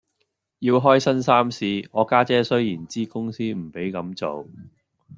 要開新衫試，我家姐雖然知公司唔俾咁做，